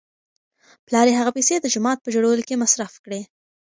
پلار یې هغه پیسې د جومات په جوړولو کې مصرف کړې.